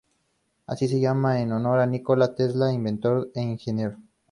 Así llamadas en honor a Nikola Tesla, inventor e ingeniero.